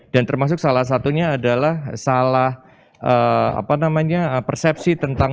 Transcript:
dan termasuk salah satunya adalah salah persepsi tentang